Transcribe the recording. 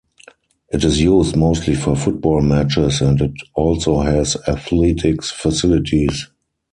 It is used mostly for football matches and it also has athletics facilities.